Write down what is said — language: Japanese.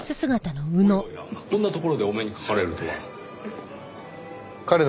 おやおやこんな所でお目にかかれるとは。